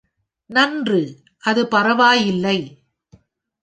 நன்று, அது பரவாயில்லை.